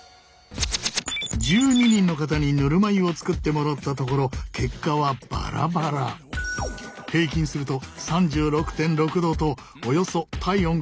１２人の方にぬるま湯を作ってもらったところ結果はバラバラ。平均すると３６．６℃とおよそ体温くらいの温度になった。